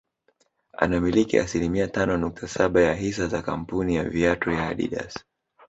Anamiliki asilimia tano nukta saba ya hisa za kamapuni ya viatu ya Adidas